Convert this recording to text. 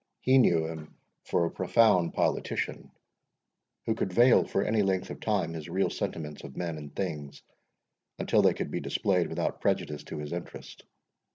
He knew him for a profound politician, who could veil for any length of time his real sentiments of men and things, until they could be displayed without prejudice to his interest.